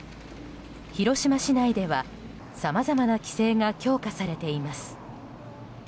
広島市内では、さまざまな規制が強化されています。